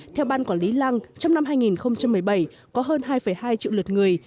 theo ban quản lý lăng trong năm hai nghìn một mươi bảy có hơn hai hai triệu lượt người